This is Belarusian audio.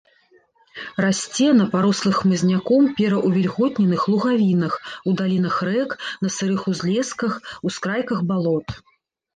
Расце на парослых хмызняком пераўвільготненых лугавінах у далінах рэк, на сырых узлесках, ускрайках балот.